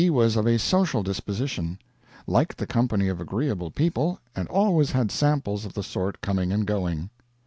was of a social disposition; liked the company of agreeable people, and always had samples of the sort coming and going.